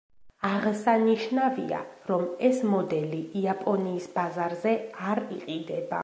აღსანიშნავია, რომ ეს მოდელი იაპონიის ბაზარზე არ იყიდება.